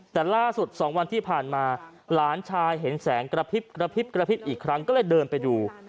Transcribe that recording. แต่ล่าสุด๒วันที่ผ่านมาหลานชายเห็นแสงกระพริบกระพริบกระพริบอีกครั้งก็เลยเดินไปดู